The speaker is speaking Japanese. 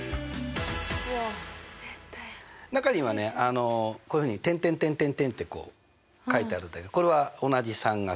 中にはねこういうふうに「」って書いてあるんだけどこれは同じ３が続く。